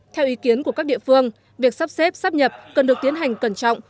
theo ý kiến của các địa phương việc sắp xếp sắp nhập cần được tiến hành cẩn trọng